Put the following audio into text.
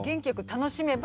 楽しめば。